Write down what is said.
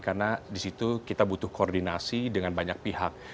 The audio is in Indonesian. karena di situ kita butuh koordinasi dengan banyak pihak